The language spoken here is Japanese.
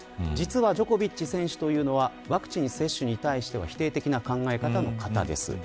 実はジョコビッチ選手というのはワクチン接種に対しては否定的な考え方の方です。